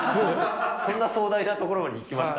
そんな壮大なところに行きました？